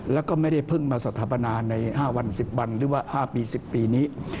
แล้วก็ไม่ได้เพิ่งมาสถาปนาใน๕วัน๑๐วันหรือว่า๕ปี๑๐ปีนี้